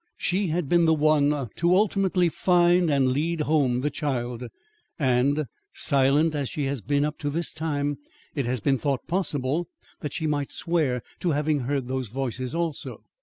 She had been the one to ultimately find and lead home the child, and, silent as she had been up to this time, it has been thought possible that she might swear to having heard these voices also.